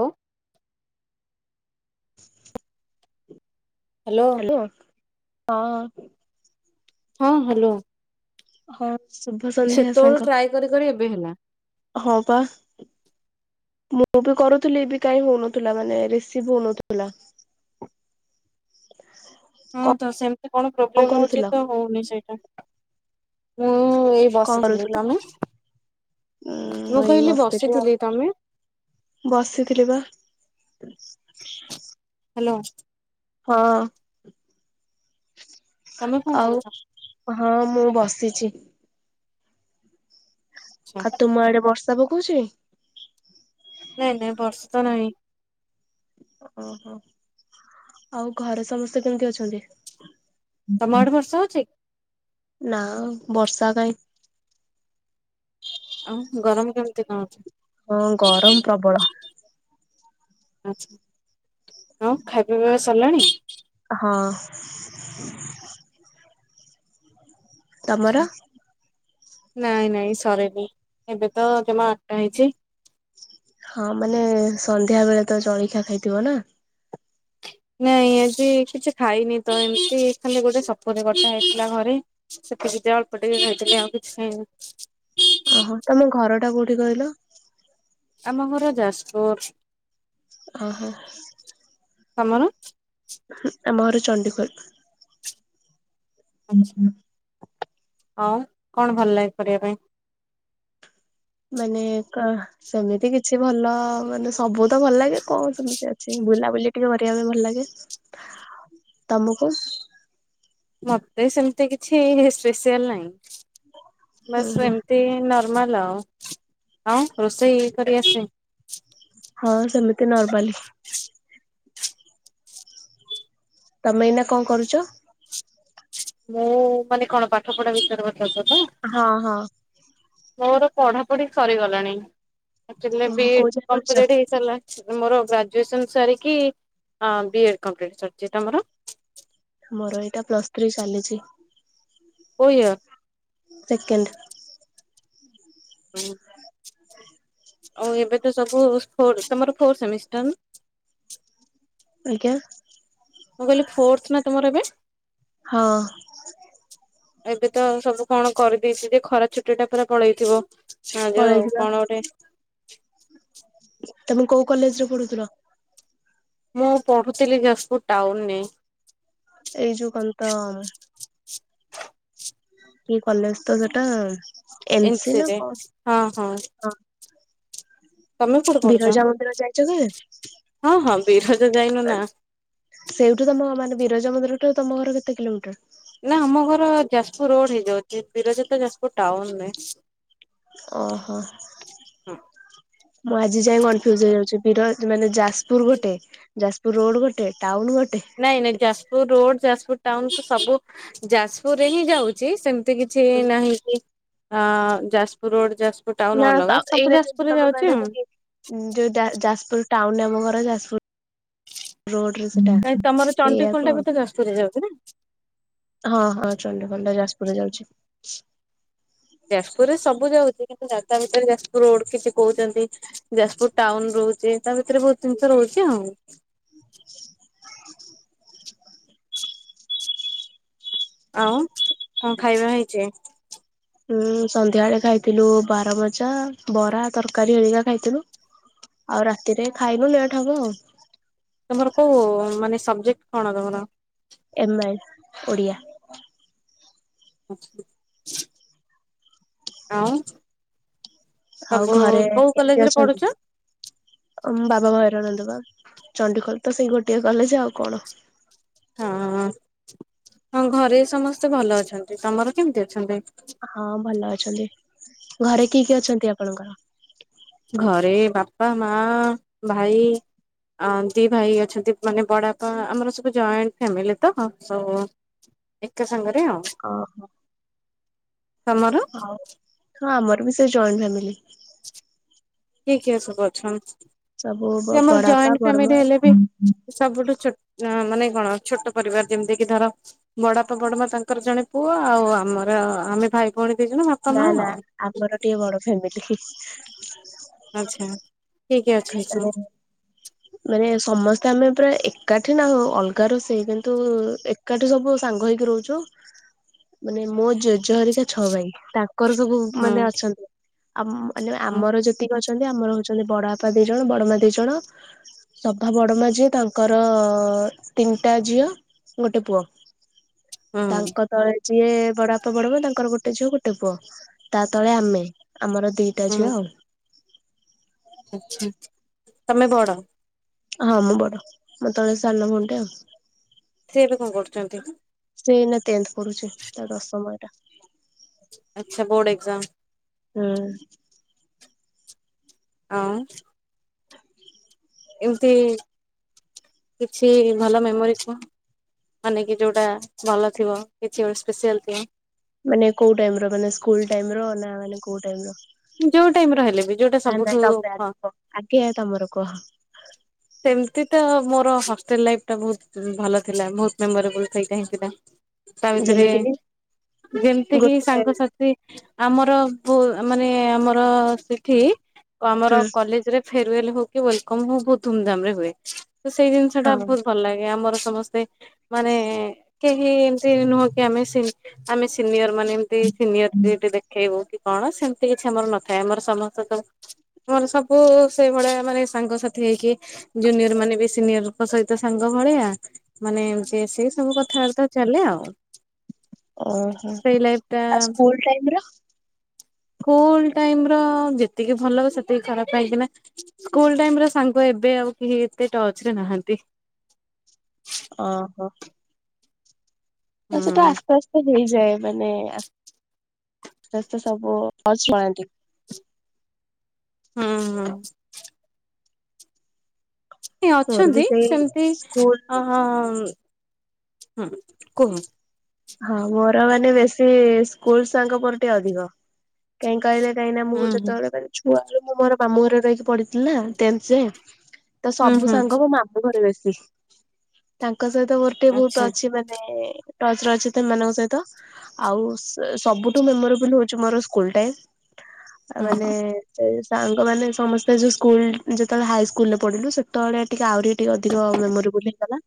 Hello. Hello. Hello ହଁ। ହଁ hello. ହଁ ଶୁଭ ସନ୍ଧ୍ୟା ସେତେବେଳୁ ସାଙ୍ଗ। ଟ୍ରାଏ କରି କରି ଏବେ ହେଲା। ହଁ ପା। ମୁଁ ବି କରୁଥିଲି ଏବେ କାଇଁ ହୋଉନଥୁଲା ମାନେ ରିସିଭ ହୋଉନଥୁଲା। ହଁ ତ ସେମତି କଣ ପ୍ରୋବ୍ଲେମ ହଉଛି ତ ହଉନି ସେଇଟା। ମୁଁ ଏ କଣ ବସିଥିଲି। କରୁଥିଲ? ତମେ? ଉଁ ମୁଁ ଏଇ କହିଲି ଆଉ ବସିଥିଲି। ତମେ? ବସିଥିଲି ପା। ହ୍ୟାଲୋ। ହଁ। ତମେ କଣ କରୁଛ? ଆଉ ହଁ ମୁଁ ବସିଛି। ଆ ଆଚ୍ଛା। ତୁମ ଆଡେ ବର୍ଷା ପକୋଉଛି? ନାଇଁ ନାଇଁ ବର୍ଷ ନାହିଁ। ଓହୋ ଆଉ ଘରେ ସମସ୍ତେ କେମତି ଅଛନ୍ତି? ତମ ଆଡେ ବର୍ଷା ହଉଛି? ନା ବର୍ଷା କାଇଁ। ଆଉ ଗରମ କେମିତି କଣ ଅଛି? ହଁ ଗରମ୍ ପ୍ରବଳ। ଆଛା ଆଉ ଖାଇବା ପିଇବା ସରିଲାଣି? ହଁ। ତମର? ନାଇଁ ନାଇଁ ସରେନି ଏବେ ତ ଜମା ଆଠଟା ହେଇଛି। ହଁ ମାନେ ସନ୍ଧ୍ୟାବେଳେ ତ ଜଳିଖିଆ ଖାଇଥିବ ନା। ନାଇଁ ଆଜି କିଛି ଖାଇନି ତ ଏମତି ଖାଲି ଗୋଟେ ସପୁରି କଟା ହେଇଥିଲା ଘରେ ସେତିକି ଯା ଅଳ୍ପ ଟିକେ ଖାଇଥିଲି ଆଉ କିଛି ଖାଇନି। ଓହୋ ତମ ଘର ଟା କୋଉଠି କହିଲ? ଆମ ଘର ଯାଜପୁର। ଆହଁ। ତମର? ଆମ ଘର ଚଣ୍ଡିଖୋଲ। ଆଛା ଆଉ କଣ ଭଲ ଲାଗେ କରିବା ପାଇଁ? ମାନେ କା ସେମିତି କିଛି ଭଲ ମାନେ ସବୁ ତ ଭଲ ଲାଗେ କଁ ସେମିତି ଅଛି ବୁଲାବୁଲି ଟିକେ କରିବା ପାଇଁ ଭଲ ଲାଗେ। [inaudible] ତମକୁ? ମତେ ସେମିତି କିଛି ସ୍ପେସିଆଲ ନାହିଁ ହୁଁ ବାସ୍ ହୁଁ ଏମ ତି ନର୍ମାଲ ଆଉ ଆଉ ରୋଷେଇ କରି ଆସେ? ହଁ ସେମିତି ନର୍ମାଲି। ତମେ ଏଇନା କଣ କରୁଛ? ମୁଁ ମାନେ କଣ ପାଠ ପଢା ବିଷୟରେ ପଚାରୁଛ ତ? ହଁ ହଁ। ମୋର ପଢ଼ାପଢ଼ି ସରିଗଲାଣି ଆକଚୁଲି ବି ଓହୋ ଇ କୋଉ ଡି ଯାଏ ପଢିଛ? କମ୍ପ୍ଲିଟ୍ ହେଇସାରିଲାନି। ମୋର ଗ୍ରାଜୁଏସନ ସାରିକି ଆ ବି ଏଡ୍ କମ୍ପ୍ଲିଟି କରିଛି। ତମର? ମୋର ଏଇଟା ପ୍ଲସ୍ ଥ୍ରୀ ଚାଲିଛି। କୋଉ ୟର୍? ସେକେଣ୍ଡ। [inaudible] ଆଉ ଏବେ ତ ସବୁ ଫୋର୍ ତମର ଫୋର୍ ସେମିଷ୍ଟର ନା ଆଜ୍ଞା। ମୁଁ କହିଲି ଫୋର୍ଥ ନା ତମର ଏବେ? ହଁ। ଏବେ ତ ସବୁ କଣ କରିଦେଇଛି ଯେ ଖରା ଛୁଟି ଟା ପୁରା ପଳେଇଥିବ। ହଁ ଯୋଉ ପଳେଇଥିଲା କଣ ଗୋଟେ ତମେ କୋଉ କଲେଜରେ ପଢୁଥୁଲ? ମୁଁ ପଢ଼ୁଥିଲି ଯାଜପୁର ଟାଉନରେ। ଏଇ ଯୋଉ କଁତ କି କଲେଜ ତ ସେଟା ଏନସି ନା ଏନ୍ସିରେ କଣ? ହଁ ହଁ। ତମେ କୋଉଠି ପଢୁଛ? ବିରଜା ମନ୍ଦିର ଯାଇଛ କେବେ? ହଁ ହଁ ବିରଜା ଯାଇନୁ ନା। ସେଇଠୁ ତମ ମାନେ ବିରଜା ମନ୍ଦିର ଟୁ ତମ ଘର କେତେ କିଲୋମିଟର? ନା ଆମ ଘର ଯାଜପୁର ରୋଡ ହେଇଯାଉଚି ବିରଜା ତ ଯାଜପୁର ଟାଉନ୍ ରେ। ଓହୋ। ହଁ। ମୁଁ ଆଜି ଯାଏଁ କନଫ୍ୟୁଜ୍ ହେଇଯାଉଛି ବିର ମାନେ ଯାଜପୁର ଗୋଟେ। ଯାଜପୁର ରୋଡ ଗୋଟେ ଟାଉନ ଗୋଟେ। ନାଇଁ ନାଇଁ ଯାଜପୁର ରୋଡ ଯାଜପୁର ଟାଉନ ତ ସବୁ ଯାଜପୁରେ ହିଁ ଯାଉଚି ସେ ସେମିତି କିଛି ନାହିଁ କି ଅ ଯାଜପୁର ରୋଡ ଯାଜପୁର ଟାଉନ ନା ଅଲଗା ସବୁ ଏଇଟା ଯେମିତି ଯାଜପୁର ରେ ତମେ ଯାଉଛି ଆଉ। କହିଲନି କି ଯୋଉ ଯା ଯାଜପୁର ଟାଉନ ରେ ଆମ ଘର ଯାଜପୁର ରୋଡ ରେ ନାଇଁ ତମ ଚାଣ୍ଡିଖୋଲ ଟା ବି ତ ଯାଜପୁର ରେ ଯାଉଛି ନା? ହଁ ହଁ ଚଣ୍ଡୀଖୋଲ ଟା ଯାଜପୁରରେ ଯାଉଚି। ଯାଜପୁର ରେ ସବୁ ଯାଉଛି କିନ୍ତୁ ଯା୍ରତା ଭିତରେ ଯାଜପୁର ରୋଡ କିଛି କହୁଛନ୍ତି। ଯାଜପୁର ଟାଉନ ରହୁଛି ତା ଭିତରେ ବହୁତ ଜିନିଷ ରହୁଛି ଆଉ। [inaudible] ଆଉ କଁ ଖାଇବା ହେଇଛି? ଉଁ ସନ୍ଧ୍ୟାବେଳେ ଖାଇଥିଲୁ ବାରମଜା ବରା ତରକାରୀ ହରିକା ଖାଇଥିଲୁ। ଆଉ ରାତିରେ ଖାଇନୁ ଲେଟ୍ ହବ ଆଉ। ତମର କୋଉ ମାନେ ସବଜେକ୍ଟ କଣ ତମର? ଏମଏଲ ଓଡ଼ିଆ। ଆଉ। ଆଉ ସବୁ ଘରେ କୋଉ କେମିତି କଲେଜ୍ ରେ ଅଛନ୍ତି? ପଢୁଛ? ବାବା ଭଇରାଣନ୍ଦ ପା ଚଣ୍ଡିଖୋଲ ତ ସେଇ ଗୋଟିଏ କଲେଜ୍ ଆଉ କଣ। ହଁ ହଁ ଘରେ ସମସ୍ତେ ଭଲ ଅଛନ୍ତି ତମର କେମିତି ଅଛନ୍ତି? ହଁ ଭଲ ଅଛନ୍ତି ଘରେ କିଏ କିଏ ଅଛନ୍ତି ଆପଣଙ୍କର? ଘରେ ବାପା ମା ଭାଇ ଅ ଦି ଭାଇ ଅଛନ୍ତି ମାନେ ବଡ ବାପା ଆମର ସବୁ ଜଏଣ୍ଟ ଫ୍ୟାମିଲି ତ ସବୁ ଏକା ସାଙ୍ଗରେ ଆଉ। ଓହୋ ତମର ହ ହଁ ଆମର ବି ସେ ଜଏଣ୍ଟ ଫାମିଲି। କିଏ କିଏ ସବୁ ଅଛନ୍ତି? ସବୁ ଆମର ବଡାଆପା ଜଏଣ୍ଟ ଫ୍ୟାମିଲି ବଡମା ହେଲେ ବି ସବୁଠୁ ମାନେ କଣ ଛୋଟ ପରିବାର ଯେମିତି କିି ଧର ବଡାଆପା ବଡ ମା ତାଙ୍କର ଜଣେ ପୁଅ ଆଉ ଆମର ଆମେ ଭାଇ ଭଉଣୀ ଦି ଜଣ ବାପା। ନା ମା ନା ଆଉ। ଆମର ଟିକେ ବଡ ଫ୍ୟାମିଲି। ଆଚ୍ଛା ଠିକ୍ ଅଛ ତ। ମାନେ ମାନେ ସମସ୍ତେ ଆମେ ପୁରା ଏକାଠି ନାହୁଁ ଅଲଗା ରୋଷେଇ କିନ୍ତୁ ଏ କାଠି ସବୁ ସାଙ୍ଗ ହେଇକି ରହୁଛୁ। ହ ମାନେ ମୋ ଜେଜ ହରିକା ଛଅ ଭାଇ ତା ଙ୍କର ସବୁ ହୁଁ ମାନେ ଅଛନ୍ତି ଆ ମାନେ ଆମର ଯେତିକି ଅଛନ୍ତି ଆମର ହଉଛନ୍ତି ବଡ ବାପା ଦି ଜଣ ବଡମା ଦି ଜଣ। ସଭା ବଡମା ଝିଅ ତାଙ୍କର ତିନିଟା ଝିଅ। ଗୋଟେ ପୁଅ ହୁଁ ତାଙ୍କ ତଳେ ଯିଏ ବଡବାପା ବଡମା ତାଙ୍କର ଗୋଟେ ଝିଅ ଗୋଟେ ପୁଅ ତା ତଳେ ଆମେ ଆମର ଦି ଟା ଝିଅ ଆଉ। ଆଛା ତମେ ବଡ? ହଁ ମୁଁ ବଡ ମୋ ତଳେ ସାନ ଭଣ୍ଟେ ଆଉ। ସେ ଏବେ କଣ କରୁଛନ୍ତି? ସେ ନା ଟେନ୍ଥ ପଢୁଛି ତା ଦଶମ ଏଟା ଆଚ୍ଛା ବୋର୍ଡ ଏଗଜାମ। ହୁଁ। ହଁ। ଏମତି କିଛି ଭଲ ମେମୋରି କୁହ। ମାନେ କି ଯୋଉଟା ଭଲ ଥିବ କିଛି ଗୋଟେ ସ୍ପେସିଆଲ ଥିବ। ମାନେ କୋଉ ଟାଇମର ମାନେ ସ୍କୁଲ ଟାଇମ ର ନା ମାନେ କୋଉ ଟାଇମର? ଯୋଉ ଟାଇମରେ ହେଲେ ବି ଯୋଉଟା ସବୁଠୁ ଆଗେ ହଁ। କୁହ ଆଗେ ତମର କୁହ। ସେମତି ତ ମୋର ହଷ୍ଟେଲ ଲାଇଫଟା ବହୁତ ଭଲ ଥିଲା ବହୁତ ମେମୋରେବଲ ସେଇଟା ହିଁ ଥିଲା। ତା ଭିତରେ ଯେମିତି କି ଯେମିତି କିି ଗୋଟେ ସାଙ୍ଗସାଥି ଆମର ବୁ ମାନେ ଆମର ସେଠି ଆମର ହୁଁ କଲେଜରେ ଫେରୁୱଲ ହଉ କି ୱେଲକମ ହଉ ବହୁତ ଧୁମଧାମ ରେ ହୁଏ ତ ସେଇ ଜିନିଷଟା ହଁ ବହୁ ଭଲ ଲାଗେ ଆମର ସମସ୍ତେ ମାନେ କେହି ଏମତି ନୁହଁ କି ଆମେ ସି ଆମେ ସିନିୟର ମାନେ ଏମତି ସିନିୟରଟି ଦେଖ ଖେଇବୁ କି କଣ ସେମିତି କିଛି ଆମର ନଥାଏ ଆମର ସମସ୍ତେ ତ ମୋର ସବୁ ସେଇ ଭଳିଆ ମାନେ ସାଙ୍ଗସାଥି ହେଇକି ଜୁନିୟର ମାନେ ବି ସିନିୟରଙ୍କ ସହିତ ସାଙ୍ଗ ଭଳିଆ। ମାନେ ଏମତି ସେଇ ସବୁ କଥାବାର୍ତା ଚାଲେ ଆଉ। ଓହୋ ସେଇ ଲାଇଫ ଟା ଆଉ ସ୍କୁଲ ଟାଇମ ର ସ୍କୁଲ ଟାଇମର ଯେତିକି ଭଲ ହବ ସେତିକି ଖରାପ ପାଇକିନା ସ୍କୁଲ ଟାଇମ ର ସାଙ୍ଗ ଏବେ ଆଉ କେହି ଏତେ ଟର୍ଚ ରେ ନାହାନ୍ତି। ଓହୋ। ତ ସେଇଟା ହୁଁ ଆସ୍ତେ ଆସ୍ତେ ହେଇଯାଏ। ମାନେ ଆସ୍ତେ ଆସ୍ତେ ସବୁ [unintelligible] ହୁଁ ହଁ। ଏ ମୋର ବି ଅଛନ୍ତି ସେଇ ସେମିତି ସ୍କୁଲ ଅହଁ ହୁଁ କୁହ ହଁ ମୋର ମାନେ ବେଶୀ ସ୍କୁଲ ସାଙ୍ଗ ମୋଟେ ଅଧିକ। କାହିଁ କହିଲେ କାହିଁନାଁ ମୁଁ ହୁଁ ହୁଁ ଯେତବେଳେ [unintelligible] ମୁଁ ମୋର ମାମୁ ଘରେ ରହିକି ପଢିଥିଲାେ ଟେନଥ ଯାଏ ତ ହୁଁ ସବୁ ହୁଁ ସାଙ୍ଗ ମୋ ମା ଘରେ [unintelligible] ତାଙ୍କ ସହିତ ମୋର ଟିକେ ବହୁତ ଆଚ୍ଛା ଅଛି ମାନେ ରଚିତ ଏମାନଙ୍କ ସହିତ ଆଉ ସବୁଠୁ ମେମୋରେବୁଲ୍ ହଉଛି ମୋର ସ୍କୁଲ ଟାଇମ ମାନେ ହୁଁ [unintelligible] ସାଙ୍ଗମାନେ ସମସ୍ତେ ଯୋଉ ସ୍କୁଲ ଯେତେବେଳେ ହାଇ ସ୍କୁଲରେ ପଢିଲୁ ସେତେବେଳେ ଟିକେ ଆହୁରି ଟିକେ ଅଧିକ ମେମୋରେବୁଲ ହେଇଗଲା।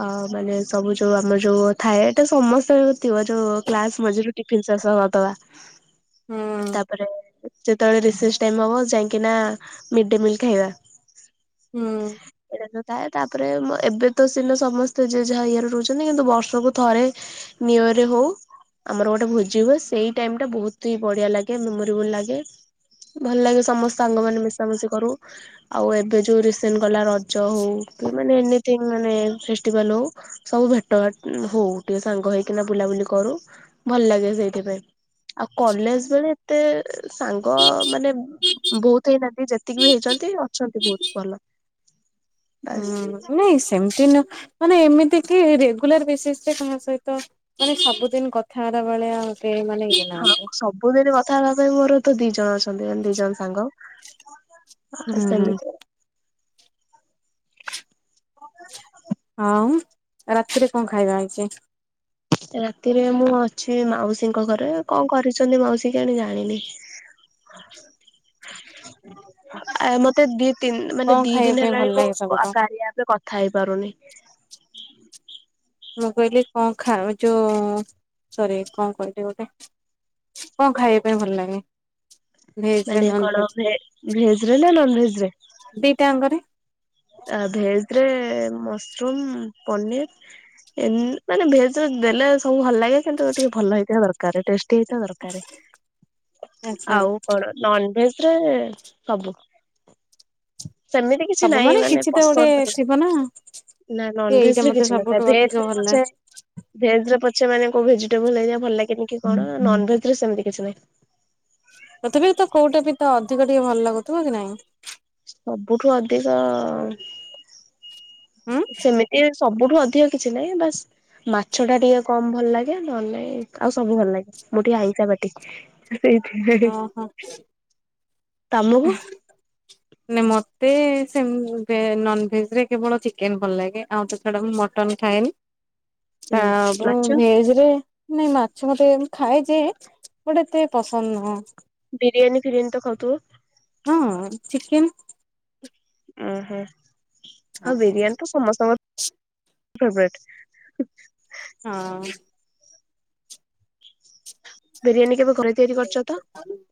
ଆ ମାନେ ସବୁ ଯୋଉ ଆ ଆମର ଯୋଉ ଥାଏ ଏଇଟା ସମସ୍ତେ ଥିବ ଯୋଉ କ୍ଲାସ ମଝିରେ ଟିଫିନ ଶେଷ କରିଦବା ହୁଁ ତାପରେ ଯେତେବେଳେ ରିସେସ ଟାଇମ ହବ ଯାଇକି ନା ମିଡମିଲ୍ ଖାଇବା। ହୁଁ। ଏଇଟା ଥାଏ ତାପରେ ଏବେ ତ ସିନା ସମସ୍ତେ ଜେଏ ଯାହା ଇଏ ରେ ରହୁଛନ୍ତି କିନ୍ତୁ ବର୍ଷକୁୁ ଥରେ ନିୟରେ ହୋଉ ଆମର ଗୋଟେ ଭୋଜି ହୁଏ ସେଇ ଟାଇମ ଟା ବହୁତ ହି ବଢିଆ ଲାଗେ ମେମୋରେଏବୁଲ ଲାଗେ। ଭଲ ଲାଗେ ସମସ୍ତ ସାଙ୍ଗ ମାନେ ମିଶାମଶି କରୁ ଆଉ ଏବେ ଯେଉଁ ରିସେଣ୍ଟ ଗଲା ରଜ ହଉ କି ମାନେ ଏନିଥିଙ୍ଗ ମାନେ ଫେଷ୍ଟିଭାଲ ହଉ ସବୁ ଭେଟ ଭାଟ ହଉ ଟିକେ ସାଙ୍ଗ ହେଇକିନା ବୁଲାବୁଲି କରୁ ଭଲ ଲାଗେ ସେଇଥିପାଇଁ। ଆଉ କଲେଜବେଳେ ଏତେ ସାଙ୍ଗ ମାନେ ବହୁତ ହେଇନାହାନ୍ତି ଯେତିକି ବି ହେଇଛନ୍ତି ଅଛନ୍ତି ବହୁତ ଭଲ। ବାସ୍ ହୁଁ ନାଇଁ ସେମିତି ନୁହଁ ମାନେ ଏମିତି କି ରେଗୁଲାର ବେସିସ ରେ ତମ ସହିତ ମାନେ ସବୁଦିନ କଥା ବାର୍ତା ବେଳେ ଆଉ ମାନେ ଇ ହଁ ସବୁଦିନ କଥା ହେବା ପାଇଁ ମୋର ତ ଦି ଜଣ ଅଛନ୍ତି ମାନେ ଦି ଜଣ ସାଙ୍ଗ। ହ ହୁଁ ସମି ହଁ ରାତିରେ କଣ ଖାଇବା ହେଇଛି? ରାତିରେ ମୁଁ ଅଛି ମାଉସୀଙ୍କ ଘରେ କଣ କରିଛନ୍ତି ମାଉସୀ କେଜାଣି ଜାଣିନି। ଆ ମତେ ଦି ତି ମାନେ କଣ ଦି ଖାଇବା ଦିନ ପାଇଁ ଭଲ ହେଲାଣି ମୁଁ ଲାଗେ ସବୁଠୁ? କାରିଆ ଆପରେ କଥା ହେଇ ପାରୁନି। ମୁଁ କହିଲି କଣ ଖାଉଛ ସରି କଣ କହିଲି ଗୋଟେ କଣ ଖାଇବା ପାଇଁ ଭଲ ଲାଗେ? ଭେଜ ରେ ମାନେ ନନ କଣ ଭେଜ ଭେ ଭେଜ ରେ ନା ନନ ଭେଜ ରେ? ଦିଟା ଆଙ୍ଗରେ ଆ ଭେଜରେ ମସରୁମ ପନିର ମାନେ ଭେଜ ର ଦେଲେ ସବୁ ଭଲ ଲାଗେ କିନ୍ତୁ ଟିକେ ଭଲ ହେଇଥିବା ଦରକାର। ତରକାରୀ ଟେଷ୍ଟ ହେଇଥିବ ଦରକାର। ଆଚ୍ଛା ଆଉ କଣ ନନଭେଜ ରେ ସବୁ। ସେମିତି କିଛି ସବୁ ନାହିଁ ମାନେ କିଛି ତ ଗୋଟେ ପସନ୍ଦରେ ଥିବ ନା ନା କି ନନ ଭେଜ ଏଇଟା ରେ ମତେ କିଛି ନଥାଏ ସବୁଠୁ ଭେଜ ଅଧିକ ରେ ଭଲ ପଛେ ଲାଗେ ଭେଜ ରେ ପଛେ ମାନେ କୋଉ ଭେଜିଟେବୁଲ ନାହିଁ ଯାହା ଭଲ ଲାଗେନି କି କଣ ନନ ଭେଜ ରେ ସେମିତି କିଛି ନାହିଁ। ତଥାପି ବି ତ କୋଉଟେ ବି ତ ଅଧିକ ଟିକେ ଭଲ ଲାଗୁଥିବ କି ନାଇଁ। ସବୁଠୁ ଅଧିକ ହୁଁ। ସେମିତି ସବୁଠୁ ଅଧିକ କିଛି ନାହିଁ ବାସ୍ ମାଛ ଟା ଟିକେ କମ ଭଲ ଲାଗେ ନହେଲେ ନାଇଁ ଆଉ ସବୁ ଭଲ ଲାଗେ ମୁଁ ଟିକେ ଆଇଁସା ପାଟି ସେଇଥି ହେ ହେ ଓହୋ। ତମକୁ? [inaudible] ନା ମତେ ସେ ଭେ ନନଭେଜ ରେ କେବଳ ଚିକେନ ଭଲ ଲାଗେ ଆଉ ତା ଛଡ଼ା ମୁଁ ମଟନ୍ ଖାଏନି। ଆ ହୁଁ ବୁ ମାଛ ଭେଜ ରେ ନାଇଁ ମାଛ ଭାତ ଖାଏ ଯେ ଏଗୁଡା ଏତେ ପସନ୍ଦ ନୁହଁ। ବିିରିୟାନୀ ଫିରିୟାନ ତ ଖାଉଥିବେ? ହଁ ଚିକେନ୍ ଓହୋ ହଉ ବିରିୟାନୀ ତ ସମସ୍ତଙ୍କର ଫେବରାଇଟ ହଁ। ବିରିୟାନୀ କେବେ ଘରେ ତିଆରି କରିଛ ତ? [unintelligible]